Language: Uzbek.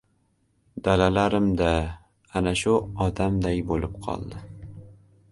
Dalalarim-da ana shu odamday bo‘lib qoldi!